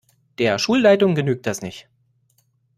Der Schulleitung genügt das nicht.